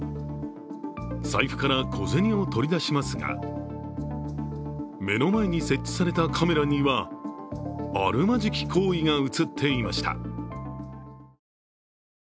財布から小銭を取り出しますが、目の前に設置されたカメラにはあるまじき行為が映っていました。